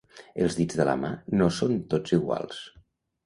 Els dits de la mà no són tots iguals.